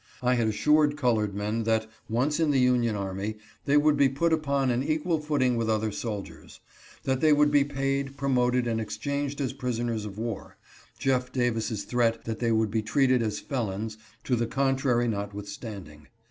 I had assured colored men that, once in the Union army, they would be put upon an equal footing with other soldiers ; that they would be paid, promoted, and exchanged as prisoners of war, Jeff Davis's threat that they would be treated as felons, to the contrary not withstanding.